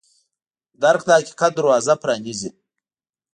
درک د حقیقت دروازه پرانیزي.